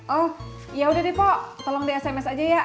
oh iya udah deh pok tolong di sms aja ya